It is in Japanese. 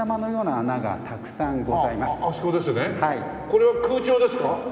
これは空調ですか？